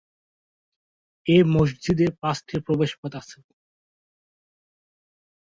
এ মসজিদে পাঁচটি প্রবেশপথ আছে।